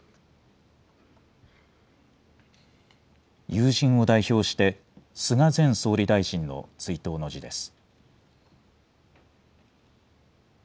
友人を代表して、菅前総理大臣の追悼の辞です。